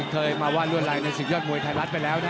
เคยมาวาดรวดลายในศึกยอดมวยไทยรัฐไปแล้วนะ